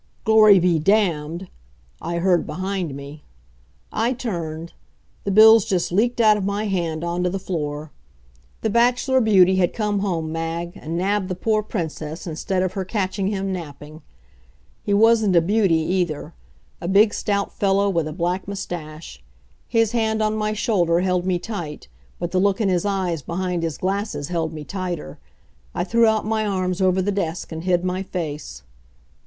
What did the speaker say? "Glory be damned!" I heard behind me. I turned. The bills just leaked out of my hand on to the floor. The Bachelor Beauty had come home, Mag, and nabbed the poor Princess, instead of her catching him napping. He wasn't a beauty either a big, stout fellow with a black mustache. His hand on my shoulder held me tight, but the look in his eyes behind his glasses held me tighter. I threw out my arms over the desk and hid my face.